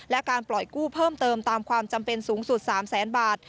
และการปล่อยกู้เพิ่มเติมตามความจำเป็นสูงสุด๓แสนบาท